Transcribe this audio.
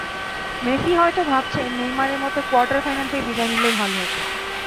Messi হয়তো ভাবছেন, নেইমারের মতো কোয়ার্টার ফাইনাল থেকে বিদায় নিলেই ভালো হতো।